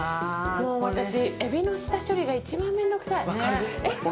もう私エビの下処理が一番面倒くさいえっ上手！